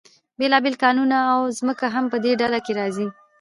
بیلابیل کانونه او ځمکه هم په دې ډله کې راځي.